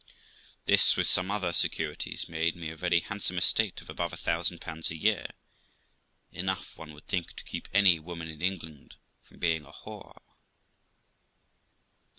This, with some other securities, made me a very handsome estate of above a thousand pounds a year; enough, one would think, to keep any woman in England from being a whore.